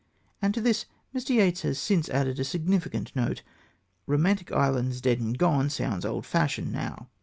And to this Mr. Yeats has since added a significant note: "Romantic Ireland's dead and gone" sounds old fashioned now.